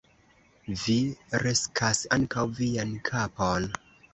Vi riskas ankaŭ vian kapon.